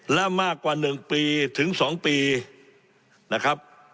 และมากกว่า๑ปีถึง๒ปีนะครับ